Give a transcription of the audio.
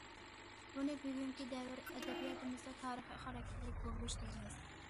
بۇنى بۈگۈنكى دەۋر ئەدەبىياتىمىزدا تارىخىي خاراكتېرلىك بۇرۇلۇش دەيمىز.